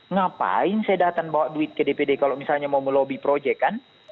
ngapain saya datang bawa duit ke dpd kalau misalnya mau melobi proyek kan